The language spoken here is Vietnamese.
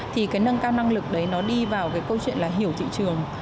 thì cái nâng cao năng lực đấy nó đi vào cái câu chuyện là hiểu thị trường